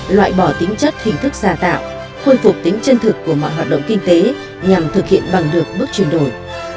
loại bỏ tính chất hình thức già tạo khôi phục tính chân thực của mọi hoạt động kinh tế nhằm thực hiện bằng được bước chuyển đổi